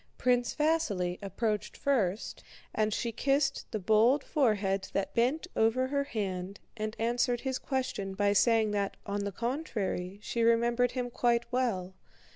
Prince Vasíli approached first, and she kissed the bold forehead that bent over her hand and answered his question by saying that, on the contrary, she remembered him quite well.